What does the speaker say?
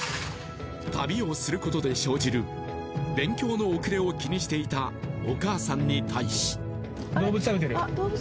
旅をすることで生じる勉強の遅れを気にしていたお母さんに対し動物食べてる？